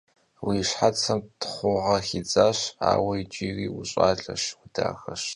Vui şhetsım txhuğe xidzaş, aue yicıri vuş'aleş, vudaxeş.